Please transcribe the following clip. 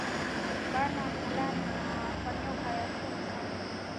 Bana muluma kwa nyoka ya sumu sana